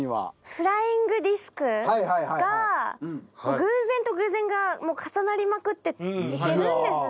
フライングディスクが偶然と偶然が重なりまくっていけるんですね。